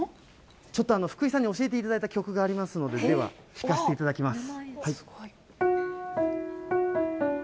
ちょっと福井さんに教えていただいた曲がありますので、では、弾かせていただきます。